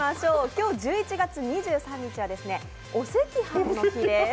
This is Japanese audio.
今日、１１月２３日はお赤飯の日です。